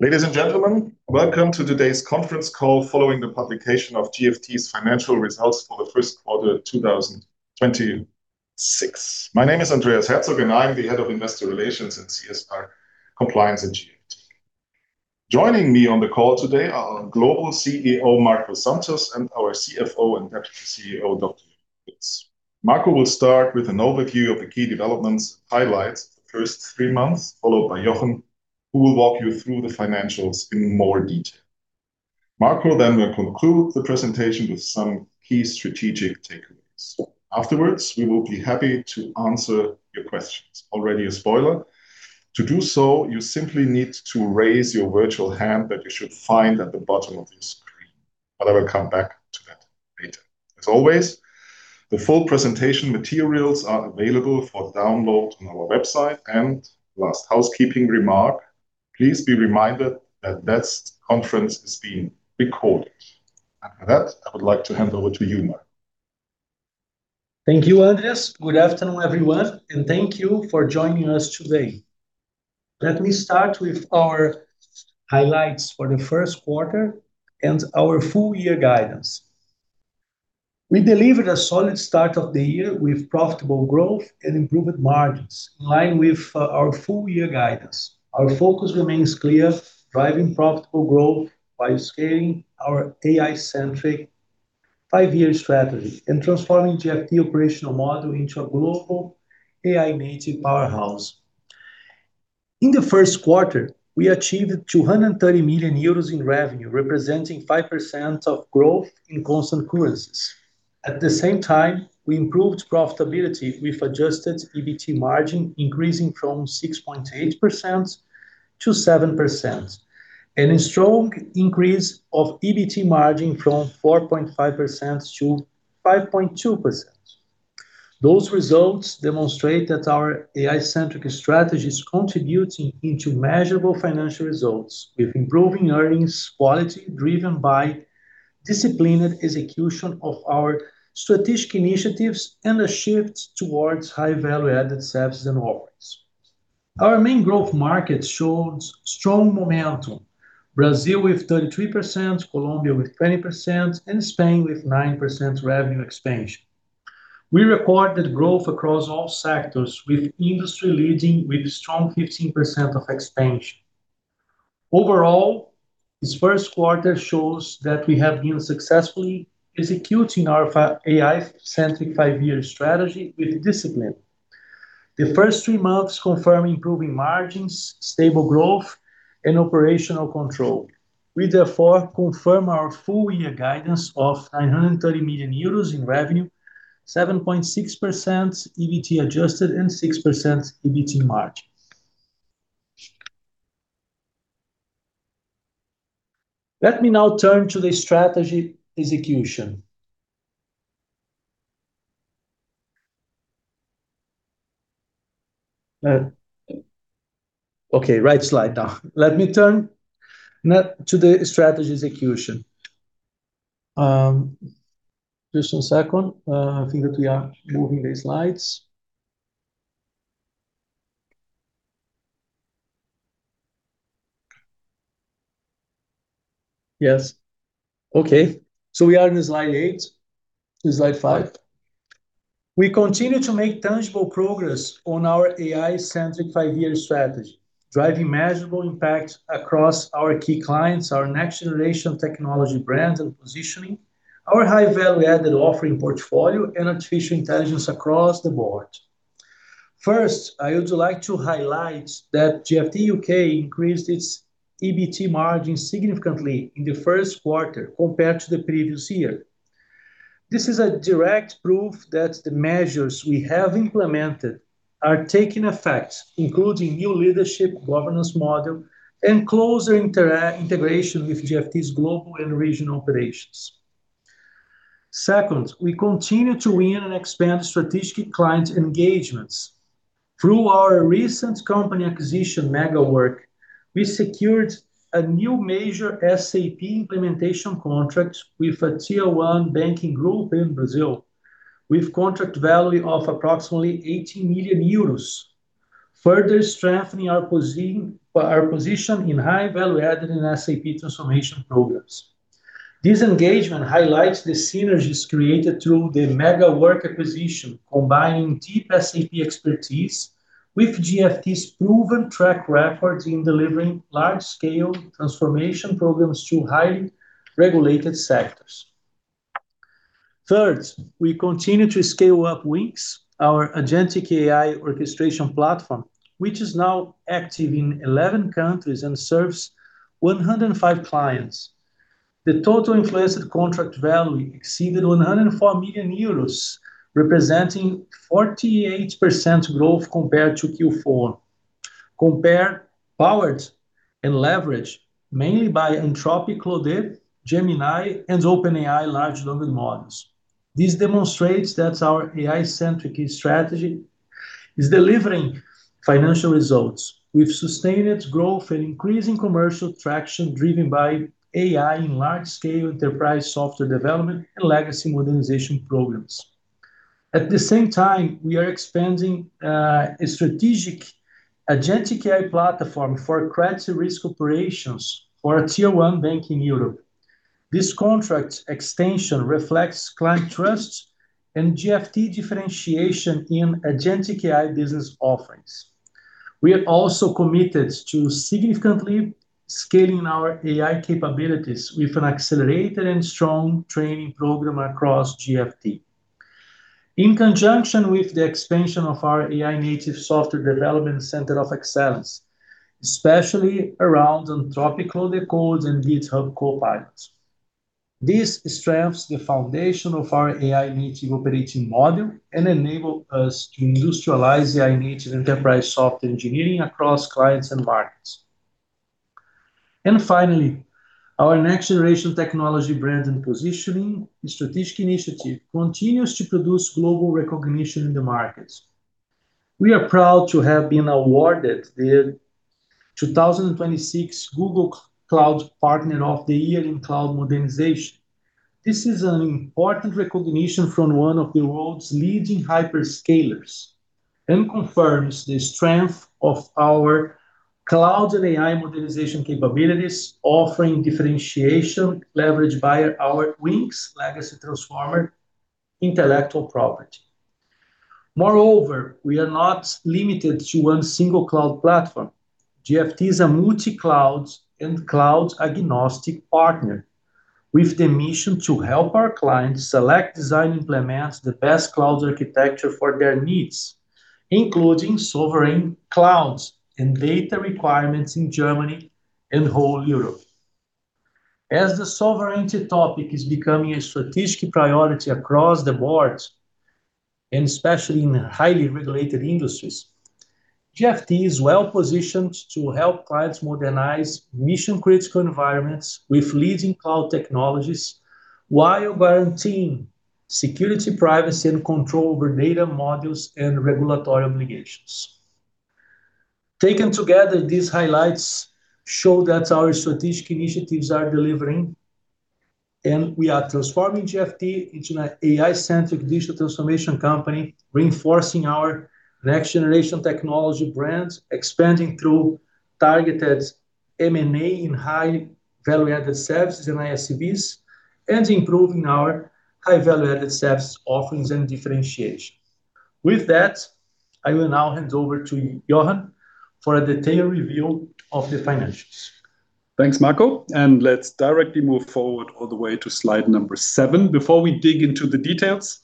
Ladies and gentlemen, welcome to today's conference call following the publication of GFT's financial results for the first quarter 2026. My name is Andreas Herzog, and I'm the Head of Investor Relations and CSR Compliance Engineering. Joining me on the call today are our Global CEO, Marco Santos, and our CFO and Deputy CEO, Dr. Jochen Ruetz. Marco will start with an overview of the key developments and highlights for the first three months, followed by Jochen who will walk you through the financials in more detail. Marco then will conclude the presentation with some key strategic takeaways. Afterwards, we will be happy to answer your questions. Already a spoiler. To do so, you simply need to raise your virtual hand that you should find at the bottom of your screen. I will come back to that later. As always, the full presentation materials are available for download on our website. Last housekeeping remark, please be reminded that conference is being recorded. For that, I would like to hand over to you, Marco. Thank you, Andreas. Good afternoon, everyone, and thank you for joining us today. Let me start with our highlights for the first quarter and our full-year guidance. We delivered a solid start of the year with profitable growth and improved margins in line with our full-year guidance. Our focus remains clear, driving profitable growth by scaling our AI-centric five-year strategy and transforming GFT operational model into a global AI-native powerhouse. In the first quarter, we achieved 230 million euros in revenue, representing 5% of growth in constant currencies. At the same time, we improved profitability with adjusted EBT margin increasing from 6.8% to 7%, and a strong increase of EBT margin from 4.5% to 5.2%. Those results demonstrate that our AI-centric strategy is contributing into measurable financial results with improving earnings quality driven by disciplined execution of our strategic initiatives and a shift towards high-value-added services and offerings. Our main growth market shows strong momentum. Brazil with 33%, Colombia with 20%, and Spain with 9% revenue expansion. We recorded growth across all sectors with industry leading with strong 15% of expansion. Overall, this first quarter shows that we have been successfully executing our AI-centric five-year strategy with discipline. The first three months confirm improving margins, stable growth, and operational control. We therefore confirm our full year guidance of 930 million euros in revenue, 7.6% EBT adjusted, and 6% EBT margin. Let me now turn to the strategy execution. Okay, right slide now. Let me turn now to the strategy execution. Just one second. I think that we are moving the slides. Yes. Okay. We are in slide eight. Slide five. We continue to make tangible progress on our AI-centric five-year strategy. Driving measurable impact across our key clients, our next-generation technology brand and positioning, our high-value-added offering portfolio, and artificial intelligence across the board. First, I would like to highlight that GFT U.K. increased its EBT margin significantly in the first quarter compared to the previous year. This is a direct proof that the measures we have implemented are taking effect, including new leadership, governance model, and closer integration with GFT's global and regional operations. Second, we continue to win and expand strategic client engagements. Through our recent company acquisition, Megawork, we secured a new major SAP implementation contract with a Tier 1 banking group in Brazil with contract value of approximately 80 million euros, further strengthening our position in high-value-added and SAP transformation programs. This engagement highlights the synergies created through the Megawork acquisition, combining deep SAP expertise with GFT's proven track record in delivering large scale transformation programs to highly regulated sectors. Third, we continue to scale up Wynxx, our agentic AI orchestration platform, which is now active in 11 countries and serves 105 clients. The total influenced contract value exceeded 104 million euros, representing 48% growth compared to Q4. Powered and leveraged mainly by Anthropic Claude, Gemini, and OpenAI large language models. This demonstrates that our AI-centric strategy is delivering financial results with sustained growth and increasing commercial traction driven by AI in large-scale enterprise software development and legacy modernization programs. At the same time, we are expanding a strategic agentic AI platform for credit risk operations for a Tier 1 bank in Europe. This contract extension reflects client trust and GFT differentiation in agentic AI business offerings. We are also committed to significantly scaling our AI capabilities with an accelerated and strong training program across GFT, in conjunction with the expansion of our AI native software development center of excellence, especially around Anthropic Claude Code and GitHub Copilot. This strengthens the foundation of our AI native operating model and enable us to industrialize AI native enterprise software engineering across clients and markets. Finally, our next-generation technology brand and positioning strategic initiative continues to produce global recognition in the markets. We are proud to have been awarded the 2026 Google Cloud Partner of the Year in Cloud Modernization. This is an important recognition from one of the world's leading hyperscalers and confirms the strength of our cloud and AI modernization capabilities, offering differentiation leveraged by our Wynxx legacy transformer intellectual property. Moreover, we are not limited to one single cloud platform. GFT is a multi-cloud and cloud agnostic partner with the mission to help our clients select, design, implement the best cloud architecture for their needs, including sovereign clouds and data requirements in Germany and whole Europe. As the sovereignty topic is becoming a strategic priority across the board, and especially in highly regulated industries, GFT is well-positioned to help clients modernize mission-critical environments with leading cloud technologies while guaranteeing security, privacy, and control over data modules and regulatory obligations. Taken together, these highlights show that our strategic initiatives are delivering, and we are transforming GFT into an AI-centric digital transformation company, reinforcing our next-generation technology brands, expanding through targeted M&A in high-value-added services and ISVs, and improving our high-value-added service offerings and differentiation. With that, I will now hand over to you, Jochen, for a detailed review of the financials. Thanks, Marco. Let's directly move forward all the way to slide number seven. Before we dig into the details,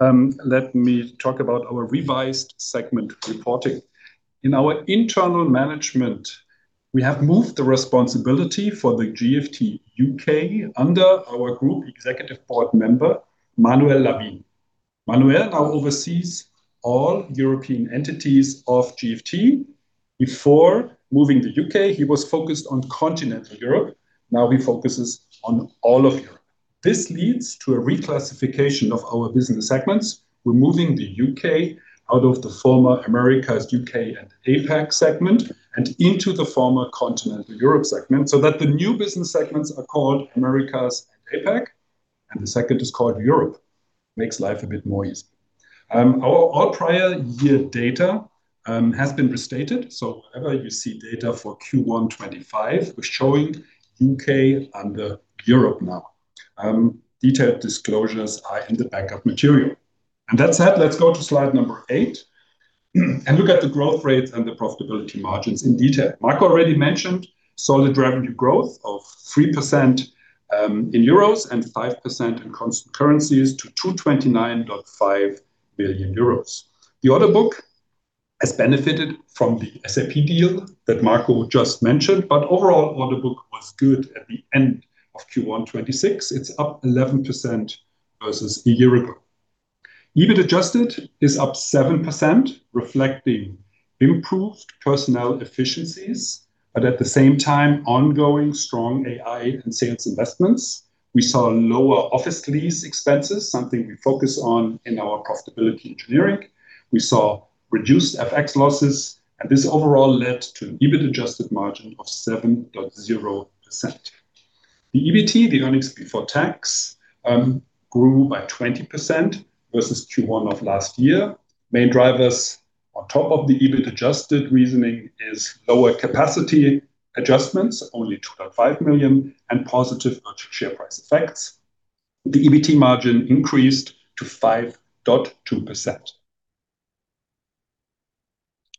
let me talk about our revised segment reporting. In our internal management, we have moved the responsibility for the GFT U.K. under our Group Executive Board Member, Manuel Lavín. Manuel now oversees all European entities of GFT. Before moving to U.K., he was focused on continental Europe. Now he focuses on all of Europe. This leads to a reclassification of our business segments. We're moving the U.K. out of the former Americas, U.K., and APAC segment and into the former continental Europe segment, so that the new business segments are called Americas and APAC, and the second is called Europe. Makes life a bit more easy. Our all prior year data has been restated. Whenever you see data for Q1 2025, we're showing U.K. under Europe now. Detailed disclosures are in the backup material. That said, let's go to slide number eight and look at the growth rates and the profitability margins in detail. Marco already mentioned solid revenue growth of 3% in Euros and 5% in currencies to 229.5 billion euros. The order book has benefited from the SAP deal that Marco just mentioned, overall order book was good at the end of Q1 2026. It's up 11% versus a year ago. EBIT adjusted is up 7%, reflecting improved personnel efficiencies, at the same time, ongoing strong AI and sales investments. We saw lower office lease expenses, something we focus on in our profitability engineering. We saw reduced FX losses, and this overall led to an EBIT adjusted margin of 7.0%. The EBT, the earnings before tax, grew by 20% versus Q1 of last year. Main drivers on top of the EBIT adjusted reasoning is lower capacity adjustments, only 12.5 million, and positive share price effects. The EBT margin increased to 5.2%.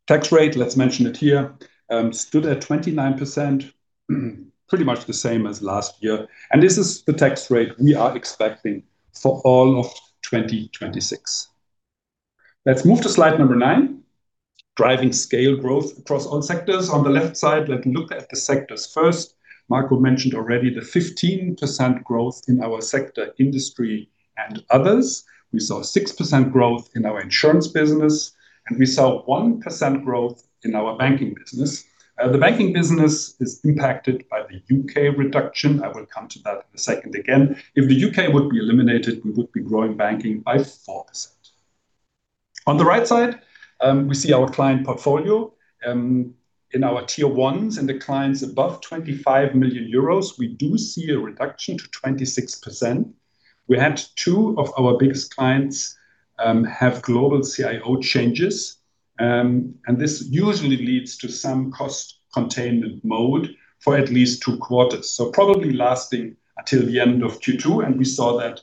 Tax rate, let's mention it here, stood at 29%, pretty much the same as last year, and this is the tax rate we are expecting for all of 2026. Let's move to slide number nine, driving scale growth across all sectors. On the left side, let me look at the sectors first. Marco mentioned already the 15% growth in our sector industry and others. We saw 6% growth in our insurance business, and we saw 1% growth in our banking business. The banking business is impacted by the U.K. reduction. I will come to that in a second again. If the U.K. would be eliminated, we would be growing banking by 4%. On the right side, we see our client portfolio. In our tier ones and the clients above 25 million euros, we do see a reduction to 26%. We had two of our biggest clients have global CIO changes. This usually leads to some cost containment mode for at least two quarters. Probably lasting until the end of Q2, and we saw that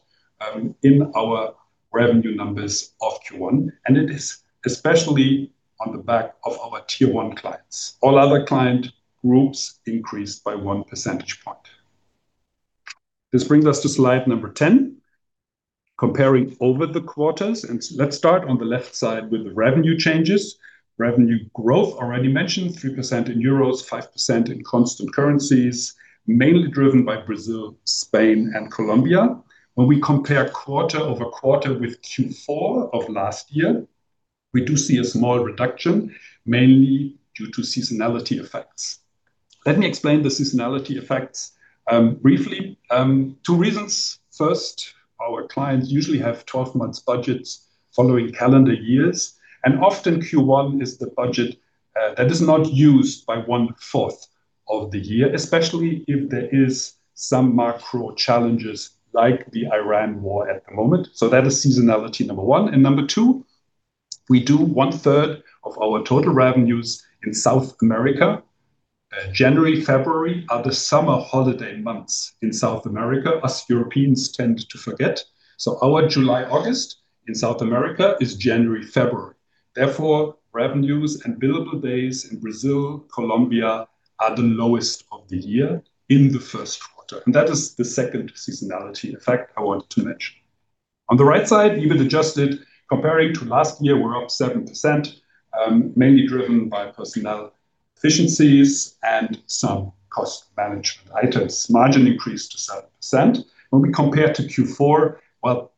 in our revenue numbers of Q1. It is especially on the back of our Tier 1 clients. All other client groups increased by one percentage point. This brings us to slide number 10, comparing over the quarters. Let's start on the left side with the revenue changes. Revenue growth already mentioned, 3% in Euros, 5% in constant currencies, mainly driven by Brazil, Spain, and Colombia. When we compare quarter-over-quarter with Q4 of last year, we do see a small reduction, mainly due to seasonality effects. Let me explain the seasonality effects briefly. Two reasons. First, our clients usually have 12 months budgets following calendar years, and often Q1 is the budget that is not used by one-fourth of the year, especially if there is some macro challenges like the Iran war at the moment. Number two, we do one-third of our total revenues in South America. January, February are the summer holiday months in South America, us Europeans tend to forget. Our July, August in South America is January, February. Therefore, revenues and billable days in Brazil, Colombia are the lowest of the year in the first quarter. That is the second seasonality effect I wanted to mention. On the right side, EBIT adjusted, comparing to last year, we're up 7%, mainly driven by personnel efficiencies and some cost management items. Margin increased to 7%. We compare to Q4, well,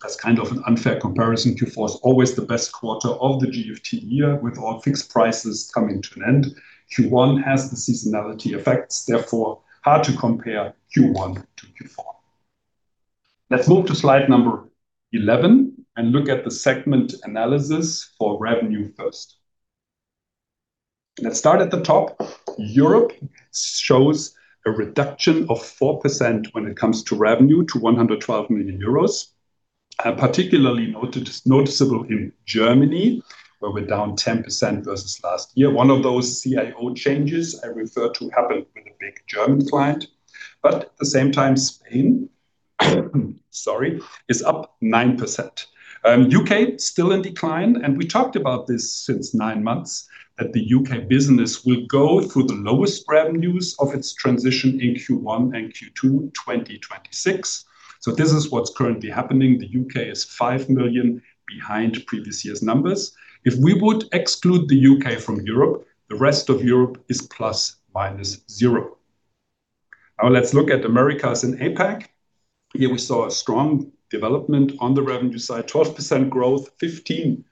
that's kind of an unfair comparison. Q4 is always the best quarter of the GFT year, with all fixed prices coming to an end. Q1 has the seasonality effects, therefore, hard to compare Q1 to Q4. Move to slide number 11 and look at the segment analysis for revenue first. Start at the top. Europe shows a reduction of 4% when it comes to revenue to 112 million euros. Particularly noticeable in Germany, where we're down 10% versus last year. One of those CIO changes I referred to happened with a big German client. At the same time, Spain, sorry, is up 9%. U.K. still in decline, and we talked about this since nine months, that the U.K. business will go through the lowest revenues of its transition in Q1 and Q2 2026. This is what's currently happening. The U.K. is 5 million behind previous year's numbers. If we would exclude the U.K. from Europe, the rest of Europe is ±0. Now, let's look at Americas and APAC. Here we saw a strong development on the revenue side. 12% growth, 15%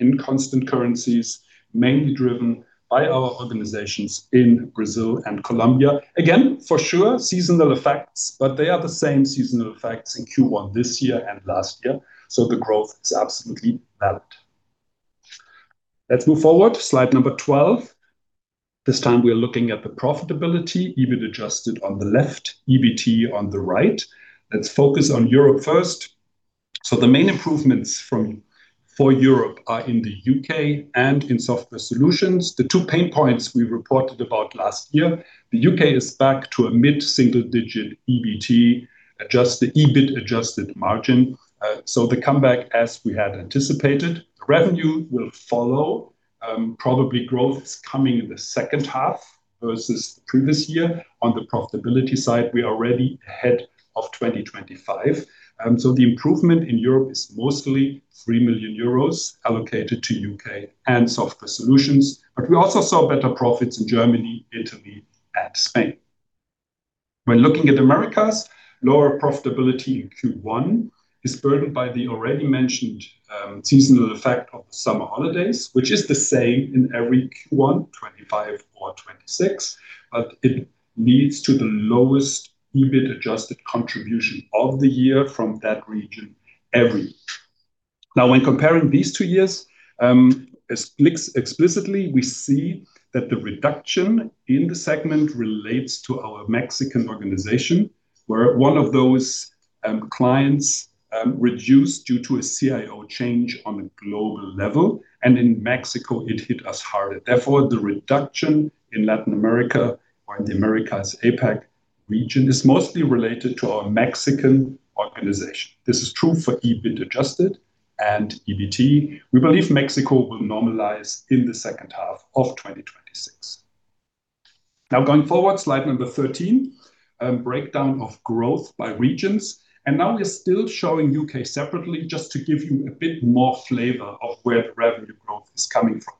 in constant currencies, mainly driven by our organizations in Brazil and Colombia. Again, for sure, seasonal effects, but they are the same seasonal effects in Q1 this year and last year. The growth is absolutely valid. Let's move forward. Slide number 12. This time we are looking at the profitability, EBIT adjusted on the left, EBT on the right. Let's focus on Europe first. The main improvements for Europe are in the U.K. and in software solutions. The two pain points we reported about last year, the U.K. is back to a mid-single-digit EBIT-adjusted margin. The comeback as we had anticipated. Revenue will follow. Probably growth is coming in the second half versus the previous year. On the profitability side, we are already ahead of 2025. The improvement in Europe is mostly 3 million euros allocated to U.K. and software solutions. We also saw better profits in Germany, Italy, and Spain. When looking at Americas, lower profitability in Q1 is burdened by the already mentioned seasonal effect of the summer holidays, which is the same in every Q1, 2025 or 2026, but it leads to the lowest EBIT adjusted contribution of the year from that region every year. When comparing these two years explicitly, we see that the reduction in the segment relates to our Mexican organization, where one of those clients reduced due to a CIO change on a global level, and in Mexico it hit us harder. The reduction in Latin America or in the Americas-APAC region is mostly related to our Mexican organization. This is true for EBIT adjusted and EBT. We believe Mexico will normalize in the second half of 2026. Going forward, slide number 13, breakdown of growth by regions. Now we're still showing U.K. separately just to give you a bit more flavor of where the revenue growth is coming from.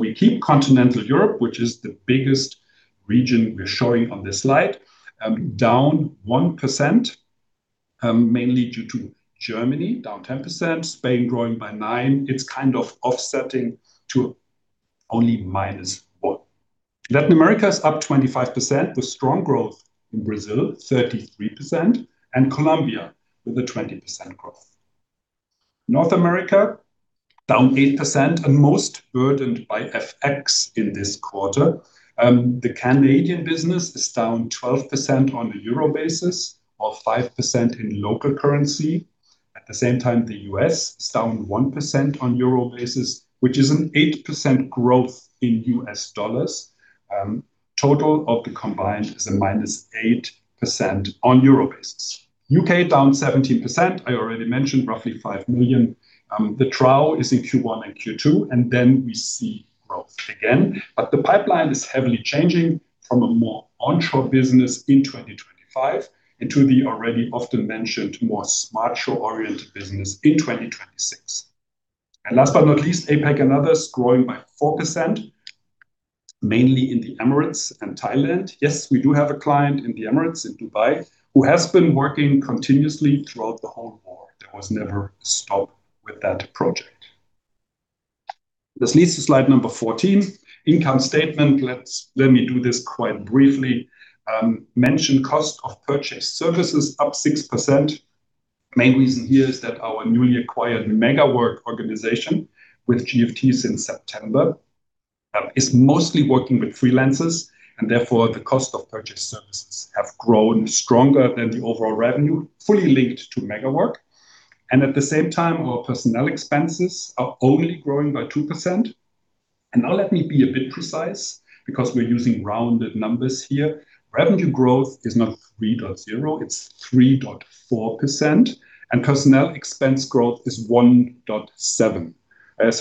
We keep Continental Europe, which is the biggest region we're showing on this slide, down 1%, mainly due to Germany down 10%, Spain growing by 9%. It's kind of offsetting to only -1. Latin America is up 25% with strong growth in Brazil, 33%, and Colombia with a 20% growth. North America down 8% and most burdened by FX in this quarter. The Canadian business is down 12% on a Euro basis or 5% in local currency. At the same time, the U.S. is down 1% on Euro basis, which is an 8% growth in U.S. dollars. Total of the combined is a minus 8% on Euro basis. U.K. down 17%, I already mentioned roughly 5 million. The trough is in Q1 and Q2, then we see growth again. The pipeline is heavily changing from a more onshore business in 2025 into the already often mentioned more SmartShore-oriented business in 2026. Last but not least, APAC and others growing by 4%, mainly in the Emirates and Thailand. Yes, we do have a client in the Emirates, in Dubai, who has been working continuously throughout the whole Iran war. There was never a stop with that project. This leads to slide number 14, income statement. Let me do this quite briefly. Mention cost of purchased services up 6%. Main reason here is that our newly acquired Megawork organization, with GFT since September, is mostly working with freelancers and therefore the cost of purchased services have grown stronger than the overall revenue, fully linked to Megawork. At the same time, our personnel expenses are only growing by 2%. Now let me be a bit precise because we're using rounded numbers here. Revenue growth is not 3.0%, it's 3.4%, and personnel expense growth is 1.7%.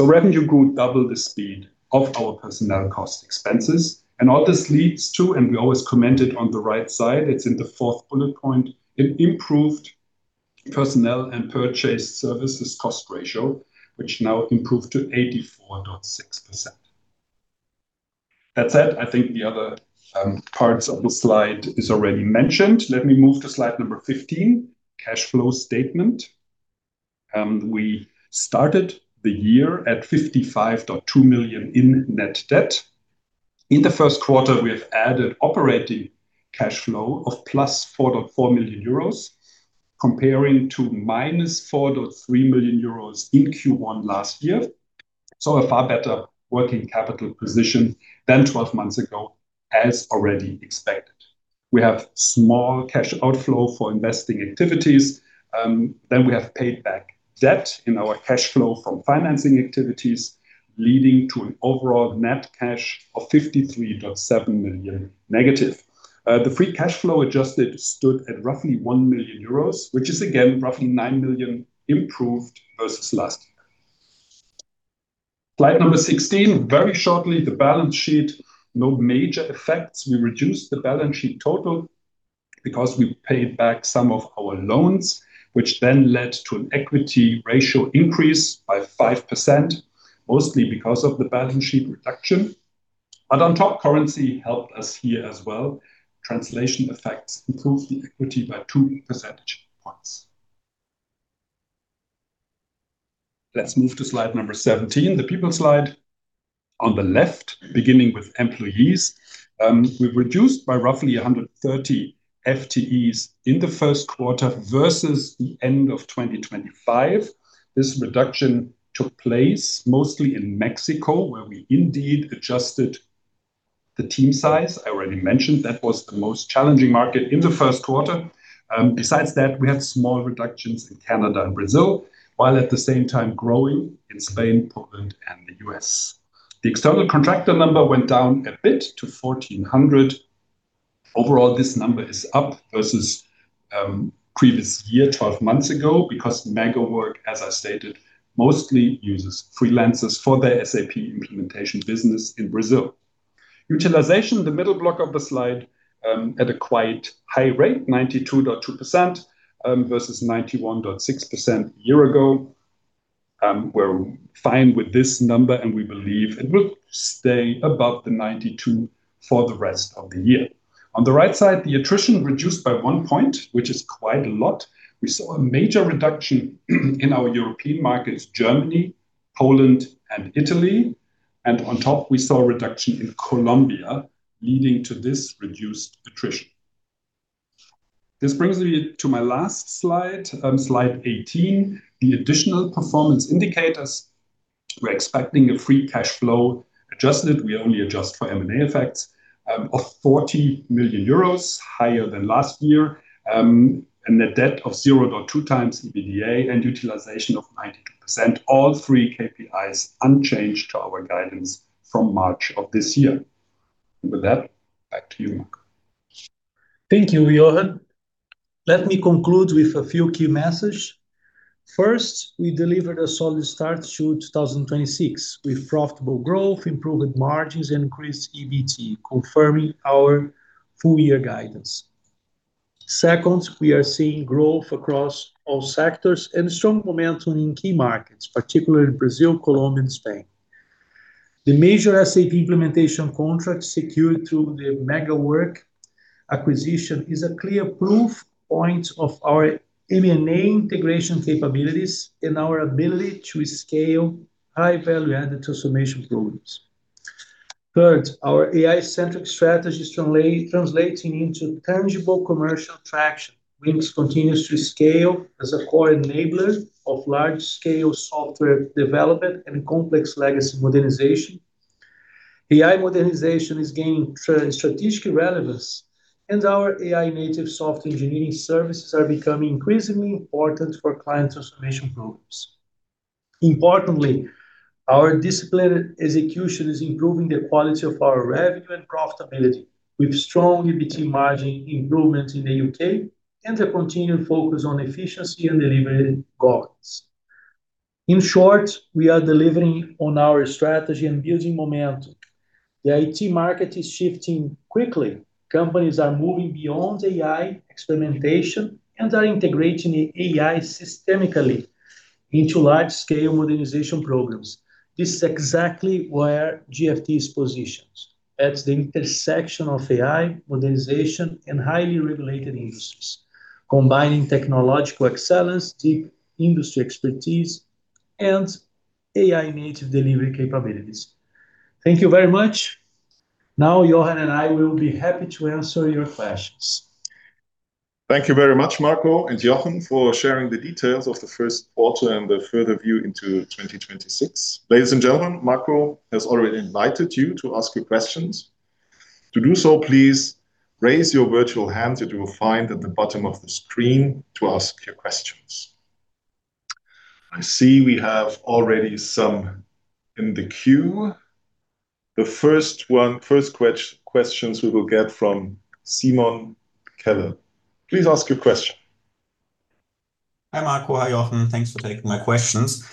Revenue grew double the speed of our personnel cost expenses. All this leads to, we always comment it on the right side, it's in the fourth bullet point, improved personnel and purchased services cost ratio, which now improved to 84.6%. That said, I think the other parts of the slide is already mentioned. Let me move to slide number 15, cash flow statement. We started the year at 55.2 million in net debt. In the first quarter, we have added operating cash flow of +4.4 million euros, comparing to -4.3 million euros in Q1 last year. A far better working capital position than 12 months ago, as already expected. We have small cash outflow for investing activities. We have paid back debt in our cash flow from financing activities, leading to an overall net cash of -53.7 million. The free cash flow adjusted stood at roughly 1 million euros, which is again roughly 9 million improved versus last year. Slide number 16. Very shortly, the balance sheet, no major effects. We reduced the balance sheet total because we paid back some of our loans, which then led to an equity ratio increase by 5%, mostly because of the balance sheet reduction. On top, currency helped us here as well. Translation effects improved the equity by two percentage points. Let's move to slide number 17, the people slide. On the left, beginning with employees. We've reduced by roughly 130 FTEs in the first quarter versus the end of 2025. This reduction took place mostly in Mexico, where we indeed adjusted the team size. I already mentioned that was the most challenging market in the first quarter. Besides that, we have small reductions in Canada and Brazil. While at the same time growing in Spain, Poland, and the U.S. The external contractor number went down a bit to 1,400. Overall, this number is up versus previous year, 12 months ago, because Megawork, as I stated, mostly uses freelancers for their SAP implementation business in Brazil. Utilization, the middle block of the slide, at a quite high rate, 92.2% versus 91.6% a year ago. We're fine with this number, we believe it will stay above the 92% for the rest of the year. On the right side, the attrition reduced by one point, which is quite a lot. We saw a major reduction in our European markets, Germany, Poland, and Italy. On top, we saw a reduction in Colombia, leading to this reduced attrition. This brings me to my last slide 18, the additional performance indicators. We're expecting a free cash flow adjusted. We only adjust for M&A effects of 40 million euros, higher than last year. A net debt of 0.2x EBITDA and utilization of 92%. All three KPIs unchanged to our guidance from March of this year. With that, back to you, Marco. Thank you, Jochen. Let me conclude with a few key messages. First, we delivered a solid start to 2026 with profitable growth, improved margins, increased EBT, confirming our full-year guidance. Second, we are seeing growth across all sectors and strong momentum in key markets, particularly in Brazil, Colombia, and Spain. The major SAP implementation contract secured through the Megawork acquisition is a clear proof point of our M&A integration capabilities and our ability to scale high-value-added transformation programs. Third, our AI-centric strategy is translating into tangible commercial traction. Wynxx continues to scale as a core enabler of large-scale software development and complex legacy modernization. AI modernization is gaining strategic relevance, and our AI native soft engineering services are becoming increasingly important for client transformation programs. Importantly, our disciplined execution is improving the quality of our revenue and profitability, with strong EBITDA margin improvement in the U.K. A continued focus on efficiency and delivering goals. In short, we are delivering on our strategy and building momentum. The IT market is shifting quickly. Companies are moving beyond AI experimentation and are integrating AI systemically into large-scale modernization programs. This is exactly where GFT is positioned. At the intersection of AI, modernization, and highly-regulated industries, combining technological excellence, deep industry expertise, and AI native delivery capabilities. Thank you very much. Now, Jochen and I will be happy to answer your questions. Thank you very much, Marco and Jochen, for sharing the details of the first quarter and the further view into 2026. Ladies and gentlemen, Marco has already invited you to ask your questions. To do so, please raise your virtual hand that you will find at the bottom of the screen to ask your questions. I see we have already some in the queue. The first one, first questions we will get from Simon Keller. Please ask your question. Hi, Marco. Hi, Jochen. Thanks for taking my questions.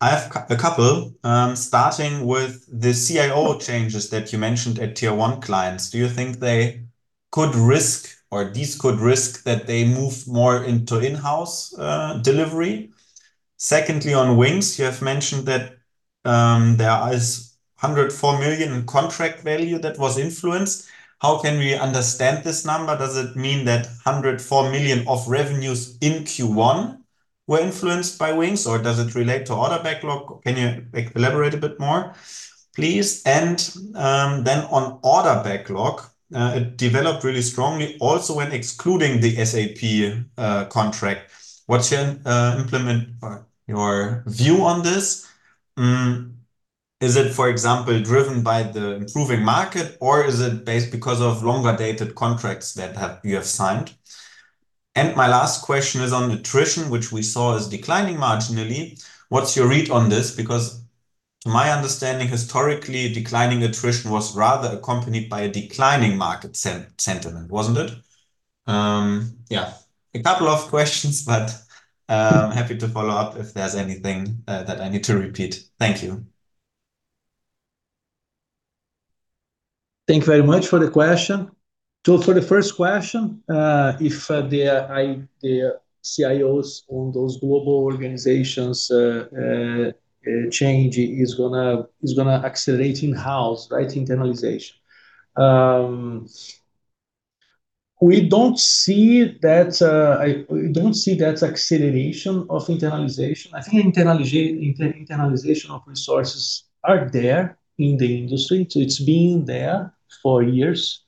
I have a couple, starting with the CIO changes that you mentioned at Tier 1 clients. Do you think these could risk that they move more into in-house delivery? Secondly, on Wynxx, you have mentioned that there is 104 million in contract value that was influenced. How can we understand this number? Does it mean that 104 million of revenues in Q1 were influenced by Wynxx, or does it relate to order backlog? Can you elaborate a bit more, please? Then on order backlog, it developed really strongly also when excluding the SAP contract. What's your view on this? Is it, for example, driven by the improving market or is it based because of longer-dated contracts that you have signed? My last question is on attrition, which we saw as declining marginally. What's your read on this? Because to my understanding, historically, declining attrition was rather accompanied by a declining market sentiment, wasn't it? Yeah, a couple of questions, but happy to follow up if there's anything that I need to repeat. Thank you. Thank you very much for the question. For the first question, if the CIOs on those global organizations change is going to accelerate in-house, right, internalization. We don't see that acceleration of internalization. I think internalization of resources are there in the industry. It's been there for years,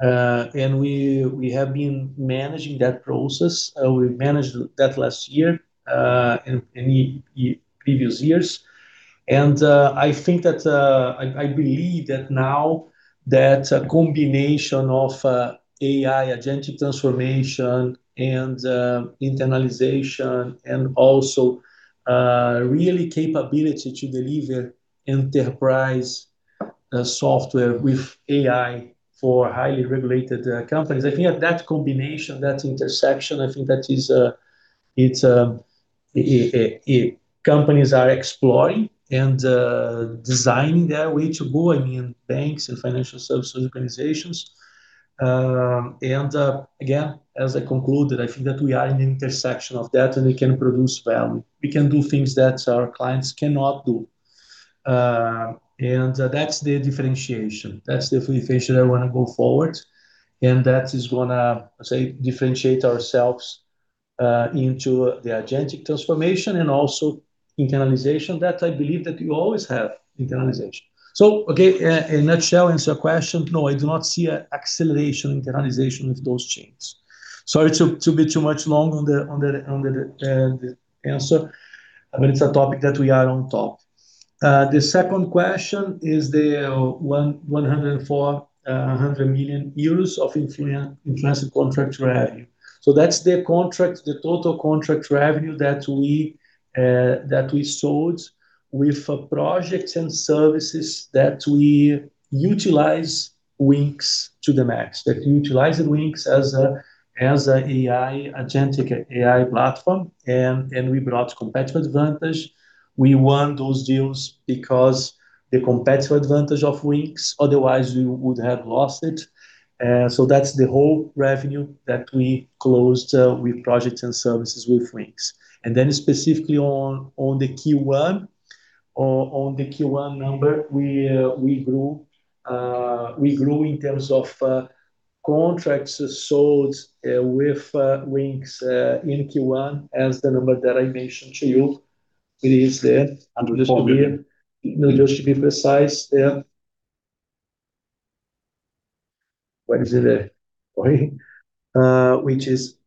and we have been managing that process. We managed that last year, and in previous years. I think that, I believe that now that a combination of AI agentic transformation, and internalization, and also really capability to deliver enterprise software with AI for highly regulated companies. I think that combination, that intersection is companies are exploring and designing their way to go. I mean, banks and financial services organizations. Again, as I concluded, I think that we are in the intersection of that, and we can produce value. We can do things that our clients cannot do. That's the differentiation. That's the differentiation I wanna go forward, and that is gonna, say, differentiate ourselves into the agentic transformation and also internalization. That I believe that we always have internalization. Okay, in a nutshell, answer your question. No, I do not see a acceleration internalization with those changes. Sorry to be too much long on the answer, it's a topic that we are on top. The second question is the 100 million euros of influenced contract revenue. That's the contract, the total contract revenue that we that we sold with projects and services that we utilize Wynxx to the max. That utilize the Wynxx as a AI, agentic AI platform, and we brought competitive advantage. We won those deals because the competitive advantage of Wynxx, otherwise we would have lost it. That's the whole revenue that we closed with projects and services with Wynxx. Specifically on the Q1 number. We grew in terms of contracts sold with Wynxx in Q1 as the number that I mentioned to you. Under EUR 4 million. Just to be precise, yeah. Where is it? Which is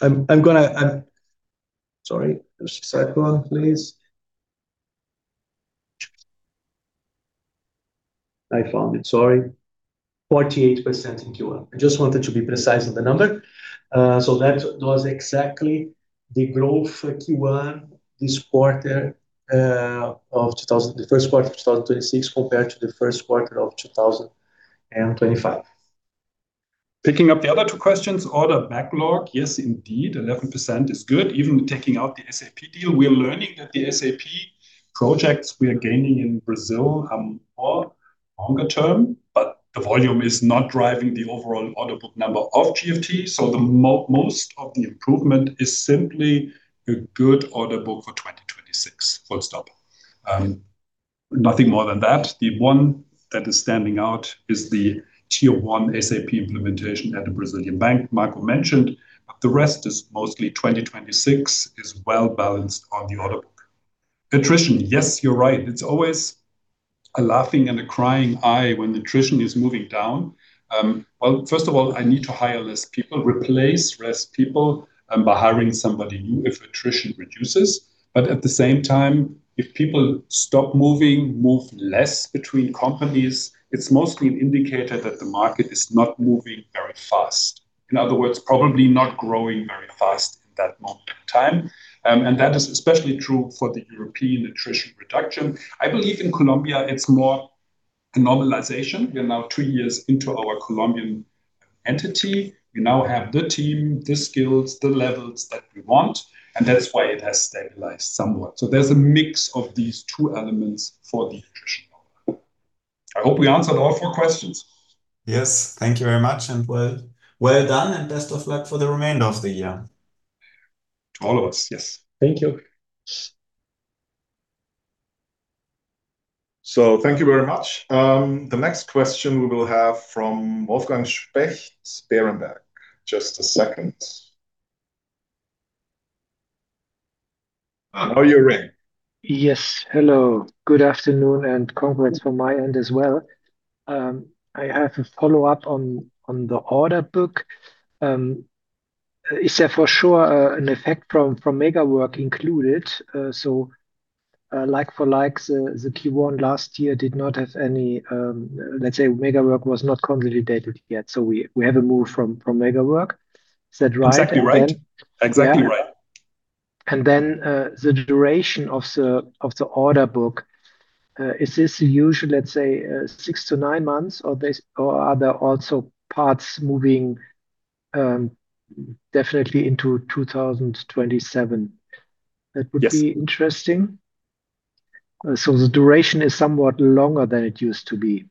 I'm gonna Sorry, just slide one, please. I found it, sorry. 48% in Q1. I just wanted to be precise on the number. That was exactly the growth for Q1 this quarter, the first quarter of 2026 compared to the first quarter of 2025. Picking up the other two questions. Order backlog, yes, indeed, 11% is good even taking out the SAP deal. We are learning that the SAP projects we are gaining in Brazil are more longer term, but the volume is not driving the overall order book number of GFT. Most of the improvement is simply a good order book for 2026, full stop. Nothing more than that. The one that is standing out is the Tier 1 SAP implementation at the Brazilian bank Marco mentioned. The rest is mostly 2026 is well-balanced on the order book. Attrition, yes, you're right. It's always a laughing and a crying eye when attrition is moving down. Well, first of all, I need to hire less people, replace less people, and by hiring somebody new if attrition reduces. At the same time, if people stop moving, move less between companies, it's mostly an indicator that the market is not moving very fast. In other words, probably not growing very fast in that moment in time. That is especially true for the European attrition reduction. I believe in Colombia, it's more a normalization. We are now two years into our Colombian entity. We now have the team, the skills, the levels that we want, and that is why it has stabilized somewhat. There's a mix of these two elements for the attrition model. I hope we answered all four questions. Yes. Thank you very much and well, well done and best of luck for the remainder of the year. To all of us. Yes. Thank you. Thank you very much. The next question we will have from Wolfgang Specht, Berenberg. Just a second. Now you're in. Yes. Hello. Good afternoon and congrats from my end as well. I have a follow-up on the order book. Is there for sure an effect from Megawork included? Like for like, Q1 last year did not have any, let's say Megawork was not consolidated yet. We have a move from Megawork. Is that right? Exactly right. Yeah. The duration of the order book, is this usual, let's say, six to nine months or are there also parts moving definitely into 2027? Yes. That would be interesting. The duration is somewhat longer than it used to be.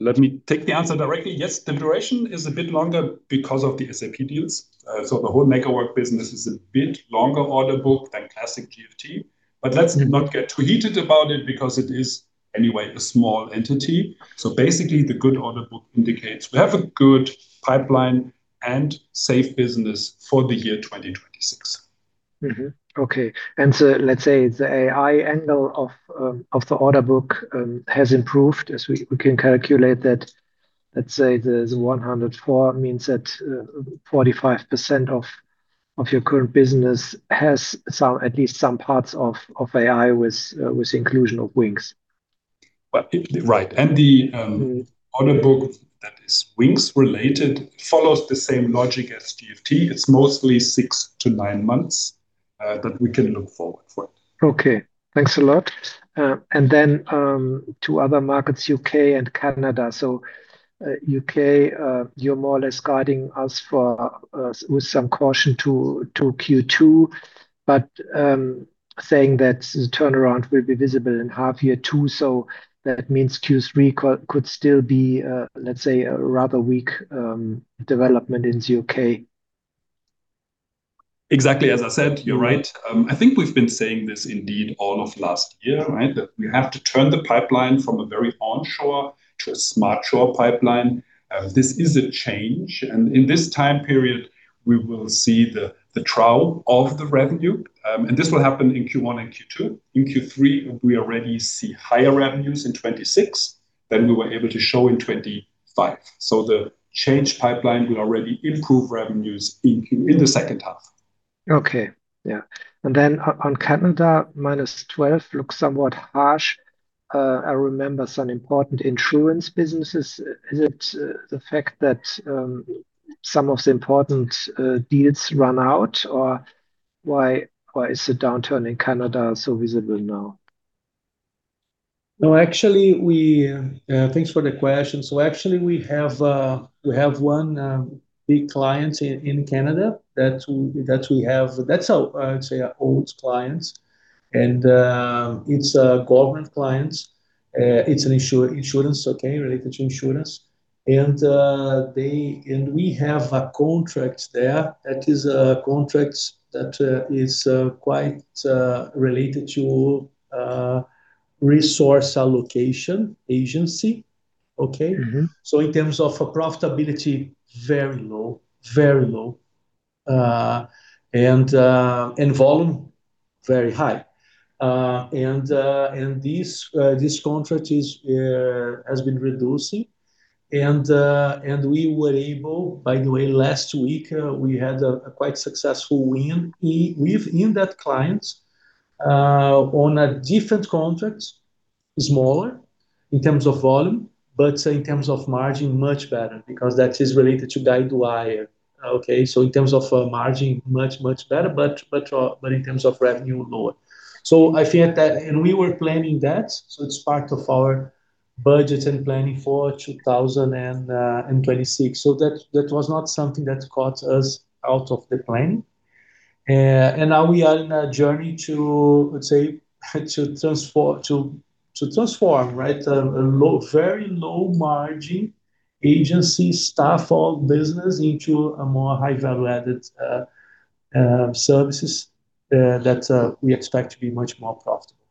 Let me take the answer directly. Yes, the duration is a bit longer because of the SAP deals. The whole Megawork business is a bit longer order book than classic GFT. Let's not get too heated about it because it is, anyway, a small entity. Basically, the good order book indicates we have a good pipeline and safe business for the year 2026. Okay. Let's say the AI angle of the order book has improved as we can calculate that, let's say, the 104 means that 45% of your current business has some, at least some parts of AI with the inclusion of Wynxx? Right. The order book that is Wynxx-related follows the same logic as GFT. It's mostly six to nine months that we can look forward for. Okay. Thanks a lot. To other markets, U.K. and Canada. U.K., you're more or less guiding us for with some caution to Q2. Saying that the turnaround will be visible in half year two, so that means Q3 could still be, let's say a rather weak development in the U.K.? Exactly as I said. You're right. I think we've been saying this indeed all of last year, right? We have to turn the pipeline from a very onshore to a SmartShore pipeline. This is a change, and in this time period, we will see the trough of the revenue. This will happen in Q1 and Q2. In Q3, we already see higher revenues in 2026 than we were able to show in 2025. The change pipeline will already improve revenues in the second half. Okay. Yeah. On Canada, -12% looks somewhat harsh. I remember some important insurance businesses. Is it the fact that some of the important deals run out or why is the downturn in Canada so visible now? Actually, we. Thanks for the question. Actually, we have one big client in Canada that we have. That's our, I would say, our oldest clients, and it's a government client. It's an insurance, okay? Related to insurance. They we have a contract there that is contracts that is quite related to resource allocation agency. Okay? In terms of profitability, very low. Volume, very high. This contract has been reducing and we were able, by the way, last week, we had a quite successful win within that client on a different contract, smaller in terms of volume, but say in terms of margin, much better because that is related to Guidewire. Okay? In terms of margin, much better. In terms of revenue, lower. I think that. We were planning that, so it's part of our budget and planning for 2026. That was not something that caught us out of the plan. Now we are in a journey to, let's say, to transform, to transform, right? A low, very low margin agency staff aug business into a more high-value-added services that we expect to be much more profitable.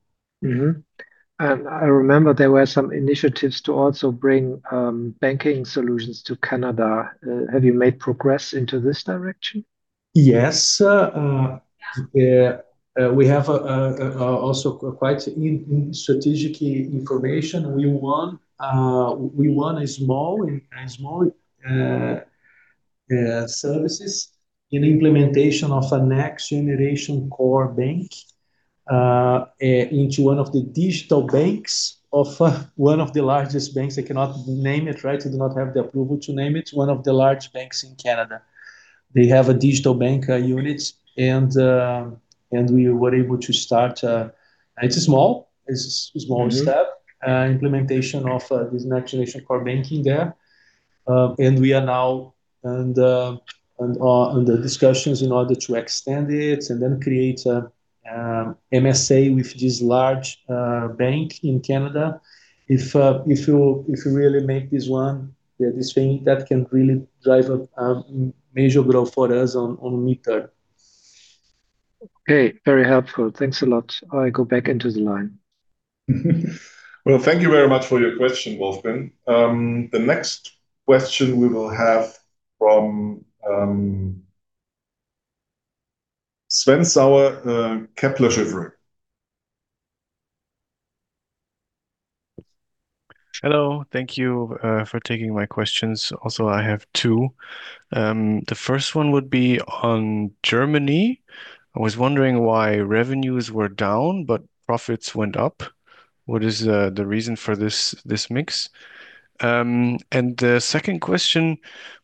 I remember there were some initiatives to also bring banking solutions to Canada. Have you made progress into this direction? Yes. Yeah. We have also quite in strategic information. We won a small services in implementation of a next-generation core bank into one of the digital banks of one of the largest banks. I cannot name it, right? I do not have the approval to name it. One of the large banks in Canada. They have a digital bank units and we were able to start. It's small. It's a small step. Implementation of this next-generation core banking there. We are now under discussions in order to extend it and then create MSA with this large bank in Canada. If you really make this one, this thing, that can really drive a major growth for us on mid-term. Okay. Very helpful. Thanks a lot. I go back into the line. Well, thank you very much for your question, Wolfgang. The next question we will have from Sven Sauer, Kepler Cheuvreux. Hello. Thank you for taking my questions. I have two. The first one would be on Germany. I was wondering why revenues were down but profits went up. What is the reason for this mix? The second question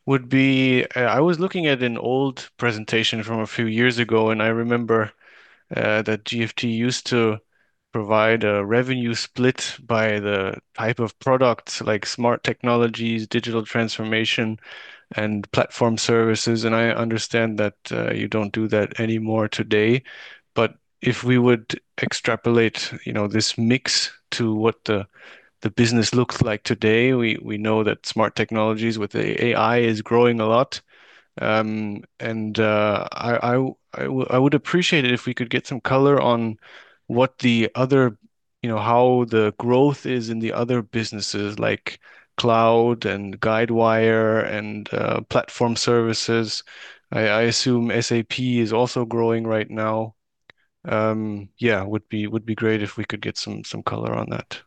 would be, I was looking at an old presentation from a few years ago, and I remember that GFT used to provide a revenue split by the type of products like smart technologies, digital transformation, and platform services, and I understand that you don't do that anymore today. If we would extrapolate, you know, this mix to what the business looks like today, we know that smart technologies with the AI is growing a lot. I would appreciate it if we could get some color on what the other you know, how the growth is in the other businesses like cloud, Guidewire, and platform services. I assume SAP is also growing right now. Yeah, would be great if we could get some color on that.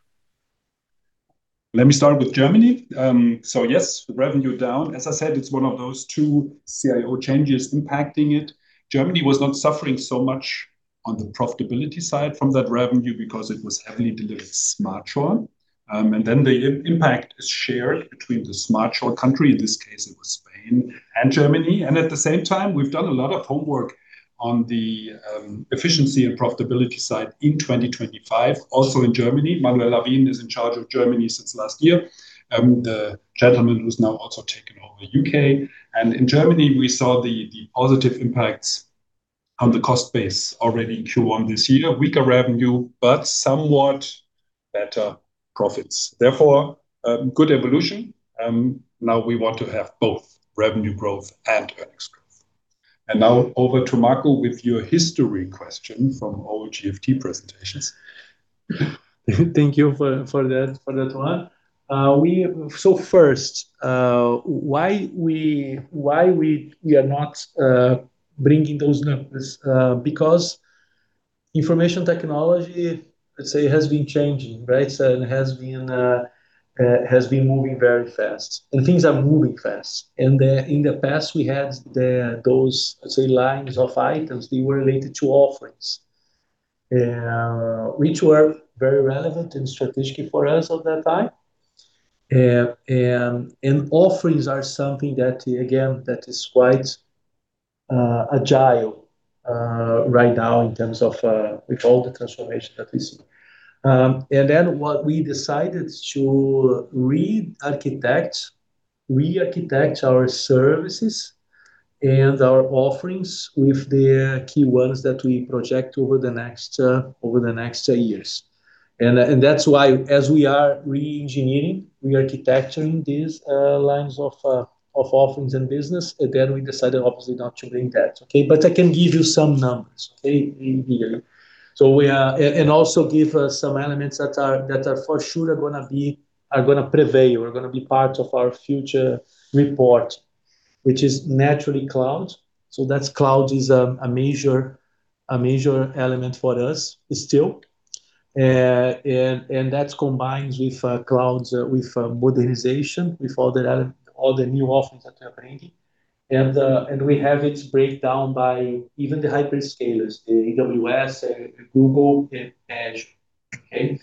Let me start with Germany. Yes, revenue down. As I said, it's one of those two CIO changes impacting it. Germany was not suffering so much on the profitability side from that revenue because it was heavily delivered SmartShore. The impact is shared between the SmartShore country, in this case it was Spain and Germany. We've done a lot of homework on the efficiency and profitability side in 2025, also in Germany. Manuel Lavín is in charge of Germany since last year. The gentleman who's now also taken over U.K. In Germany we saw the positive impacts on the cost base already in Q1 this year. Weaker revenue but somewhat better profits. Good evolution. We want to have both revenue growth and earnings growth. Now over to Marco with your history question from old GFT presentations. Thank you for that one. So first, why we are not bringing those numbers? Because information technology, let's say, has been changing, right? It has been moving very fast and things are moving fast. In the past we had those, let's say, lines of items, they were related to offerings, which were very relevant and strategic for us at that time. Offerings are something that again is quite agile right now in terms of with all the transformation that we see. What we decided to architect our services and our offerings with the key ones that we project over the next over the next years. That's why as we are re-engineering, we are architecturing these lines of offerings and business, again, we decided obviously not to bring that. Okay? I can give you some numbers, okay? In here. We also give some elements that are for sure are gonna be, are gonna prevail, are gonna be part of our future report, which is naturally cloud. That's cloud is a major element for us still. That's combined with clouds, with modernization, with all the new offerings that we are bringing. We have it break down by even the hyperscalers, the AWS, Google, and Azure. Okay?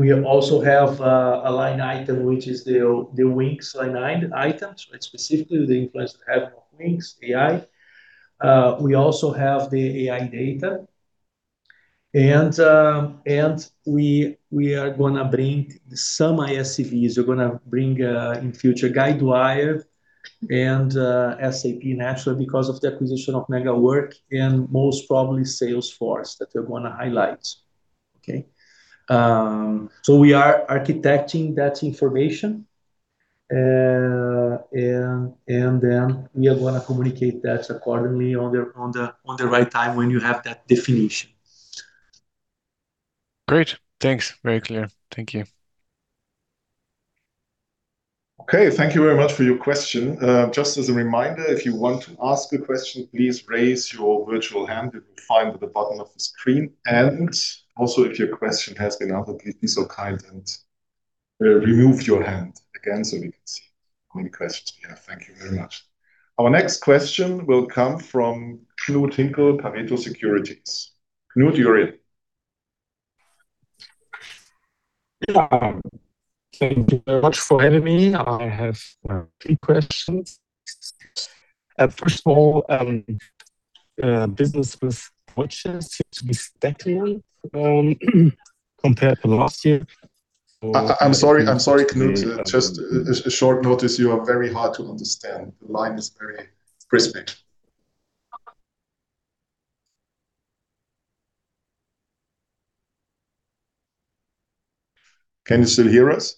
We also have a line item which is the Wynxx line item. Specifically the influence that we have on Wynxx AI. We also have the AI data and we are gonna bring some ISVs. We're gonna bring in future Guidewire and SAP naturally because of the acquisition of Megawork and most probably Salesforce that we're gonna highlight. Okay? We are architecting that information and then we are gonna communicate that accordingly on the right time when you have that definition. Great. Thanks. Very clear. Thank you. Okay. Thank you very much for your question. Just as a reminder, if you want to ask a question, please raise your virtual hand you will find at the bottom of the screen. Also, if your question has been answered, please be so kind and remove your hand again so we can see how many questions we have. Thank you very much. Our next question will come from Knud Hinkel, Pareto Securities. Knut, you're in. Yeah. Thank you very much for having me. I have three questions. First of all, business with watches seems to be stagnant compared to last year. I'm sorry, Knud. Just a short notice. You are very hard to understand. The line is very crispy. Can you still hear us?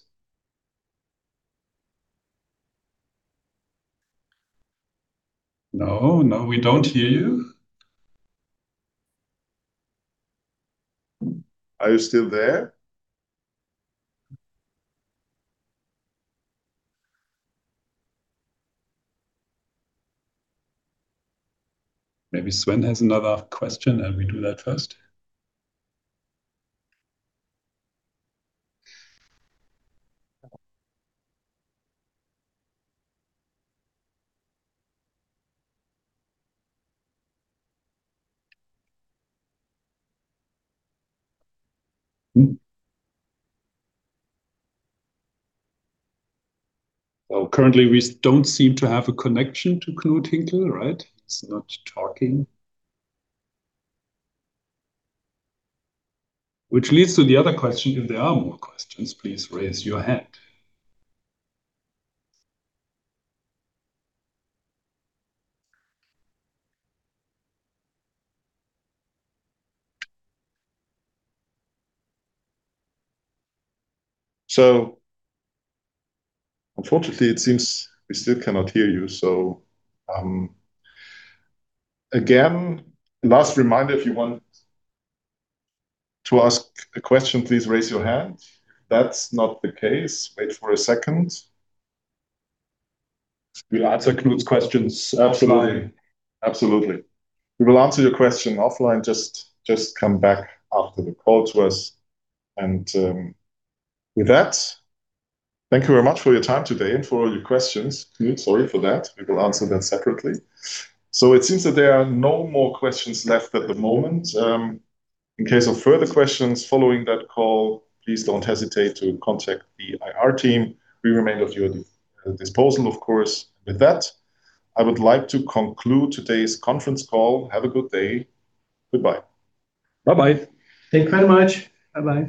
No. No, we don't hear you. Are you still there? Maybe Sven has another question and we do that first? Well, currently we don't seem to have a connection to Knud Hinkel, right? He's not talking. Which leads to the other question, if there are more questions, please raise your hand. Unfortunately, it seems we still cannot hear you. Again, last reminder, if you want to ask a question, please raise your hand. That's not the case. Wait for a second. We'll answer Knud's questions offline. Absolutely. Absolutely. We will answer your question offline. Just come back after the call to us. With that, thank you very much for your time today and for all your questions. Knud, sorry for that. We will answer that separately. It seems that there are no more questions left at the moment. In case of further questions following that call, please don't hesitate to contact the IR team. We remain at your disposal, of course. With that, I would like to conclude today's conference call. Have a good day. Goodbye. Bye-bye. Thank you very much. Bye-bye.